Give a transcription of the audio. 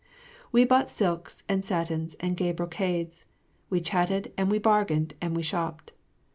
We bought silks and satins and gay brocades, we chatted and we bargained and we shopped.